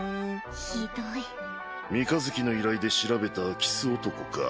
ひどい三日月の依頼で調べた空き巣男か。